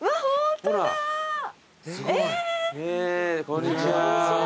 こんにちは。